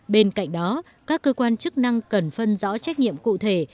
bên cạnh đó các cơ quan chức năng cần phân rõ trách nhiệm cụ thể